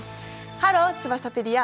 ハローツバサペディア。